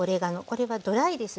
これはドライです。